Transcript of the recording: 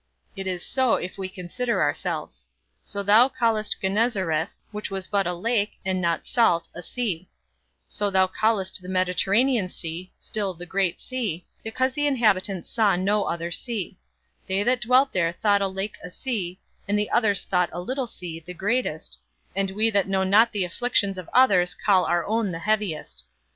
It is so if we consider ourselves; so thou callest Genezareth, which was but a lake, and not salt, a sea; so thou callest the Mediterranean sea still the great sea, because the inhabitants saw no other sea; they that dwelt there thought a lake a sea, and the others thought a little sea, the greatest, and we that know not the afflictions of others call our own the heaviest.